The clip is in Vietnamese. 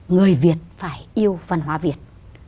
người việt phải yêu văn hóa việt